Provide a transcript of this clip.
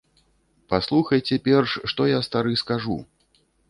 Паслухайце перш, што я стары скажу.